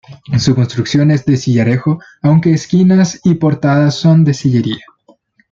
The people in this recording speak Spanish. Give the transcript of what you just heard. Su construcción es de sillarejo aunque esquinas y portada son de sillería.